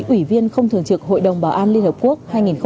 ủy viên không thường trực hội đồng bảo an liên hợp quốc